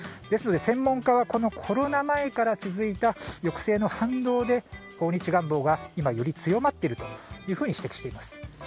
ですので専門家はこのコロナ前から続いた抑制の反動で訪日願望がより強まっていると指摘しています。